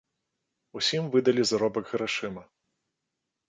Усім выдалі заробак грашыма.